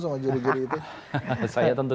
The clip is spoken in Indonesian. sama juri juri itu saya tentu